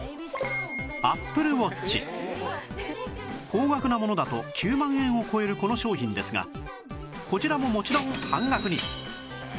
高額なものだと９万円を超えるこの商品ですがこちらももちろん半額に